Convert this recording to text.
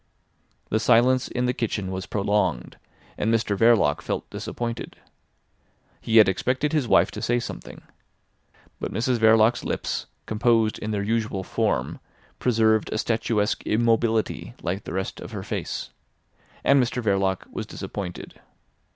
The silence in the kitchen was prolonged, and Mr Verloc felt disappointed. He had expected his wife to say something. But Mrs Verloc's lips, composed in their usual form, preserved a statuesque immobility like the rest of her face. And Mr Verloc was disappointed.